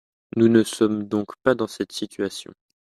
Nous ne sommes donc pas dans cette situation.